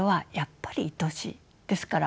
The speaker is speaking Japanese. ですから